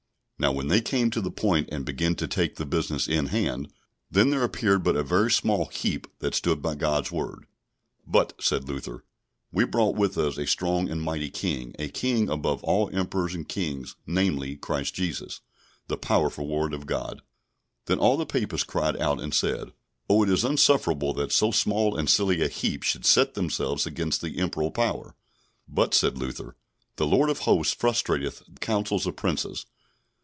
Now when they came to the point, and began to take the business in hand, then there appeared but a very small heap that stood by God's Word. But, said Luther, we brought with us a strong and mighty King, a King above all Emperors and Kings, namely, Christ Jesus, the powerful Word of God. Then all the Papists cried out, and said, "Oh, it is insufferable that so small and silly a heap should set themselves against the Imperial power." But, said Luther, the Lord of Hosts frustrateth the councils of Princes.